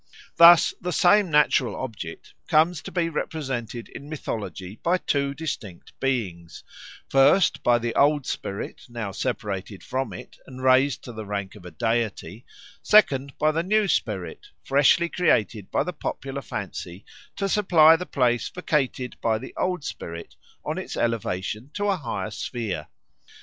Thus the same natural object comes to be represented in mythology by two distinct beings: first by the old spirit now separated from it and raised to the rank of a deity; second, by the new spirit, freshly created by the popular fancy to supply the place vacated by the old spirit on its elevation to a higher sphere.